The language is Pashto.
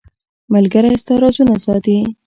• ملګری ستا رازونه ساتي.